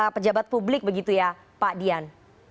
pejabat publik begitu ya pak dian